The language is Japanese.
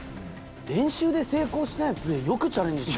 練習で成功してないプレーよくチャレンジしましたね。